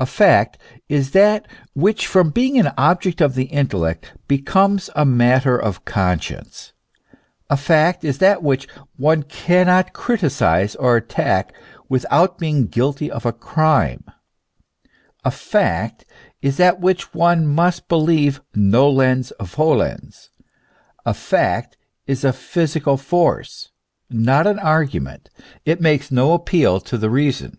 A fact is that 204 THE ESSENCE OF CHRISTIANITY. which from being an object of the intellect becomes a matter of conscience; a fact is that which one cannot criticise or attack without being guilty of a crime ;* a fact is that which one must believe nolens volens; a fact is a physical force, not an argument, it makes no appeal to the reason.